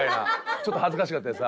ちょっと恥ずかしかったです。